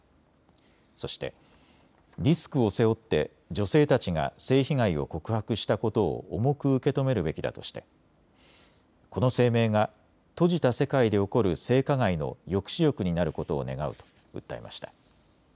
そして、リスクを背負って女性たちが性被害を告白したことを重く受け止めるべきだとしてこの声明が閉じた世界で起こる性加害の抑止力になることを願うと訴えました。